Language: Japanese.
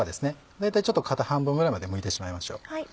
大体ちょっと半分ぐらいまでむいてしまいましょう。